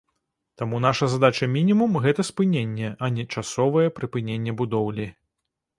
Таму наша задача мінімум, гэта спыненне, а не часовае прыпыненне будоўлі.